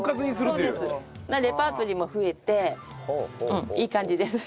レパートリーも増えてうんいい感じです。